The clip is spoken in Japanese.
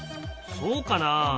そうかな？